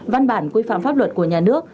văn bản quy phạm pháp luật của nhà nước